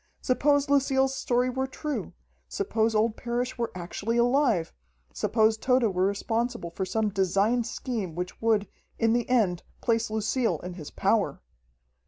Suppose Lucille's story were true! Suppose old Parrish were actually alive, suppose Tode were responsible for some designed scheme which would, in the end place Lucille in his power!